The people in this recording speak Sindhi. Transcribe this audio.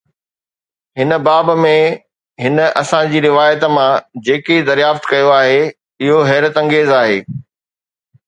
هن باب ۾، هن اسان جي روايت مان جيڪي دريافت ڪيو آهي، اهو حيرت انگيز آهي.